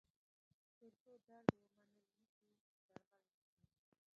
تر څو درد ومنل نه شي، درمل نشته.